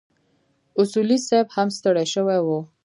اصولي صیب هم ستړی شوی و.